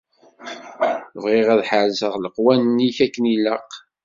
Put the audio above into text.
Bɣiɣ ad ḥerzeɣ leqwanen-ik akken ilaq.